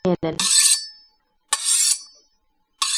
নিজেই ঠাণ্ডা পানির বোতল নিয়ে এলেন।